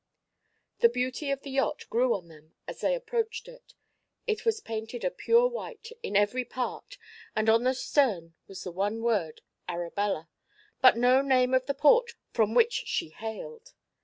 The beauty of the yacht grew on them as they approached it. It was painted a pure white in every part and on the stern was the one word: Arabella, but no name of the port from which she hailed.